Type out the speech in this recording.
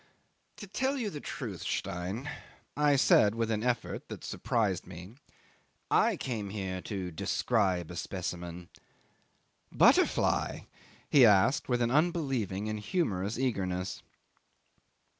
'"To tell you the truth, Stein," I said with an effort that surprised me, "I came here to describe a specimen. ..." '"Butterfly?" he asked, with an unbelieving and humorous eagerness.